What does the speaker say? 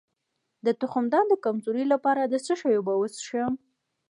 د تخمدان د کمزوری لپاره د څه شي اوبه وڅښم؟